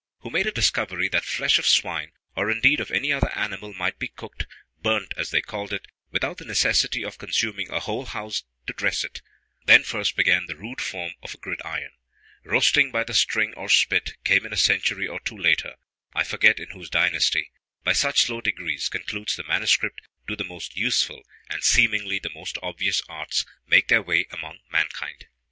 ] who made a discovery, that flesh of swine, or indeed of any other animal, might be cooked (burnt, as they called it) without the necessity of consuming a whole house to dress it. Then first began the rude form of a gridiron. Roasting by the string, or spit, came in a century or two later, I forget in whose dynasty. By such slow degrees, concludes the manuscript, do the most useful, and seemingly the most obvious arts, make their way among mankind.